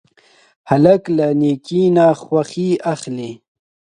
هلک له نیکۍ نه خوښي اخلي.